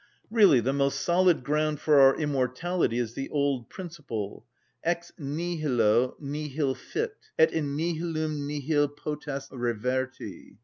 Really the most solid ground for our immortality is the old principle: "Ex nihilo nihil fit, et in nihilum nihil potest reverti."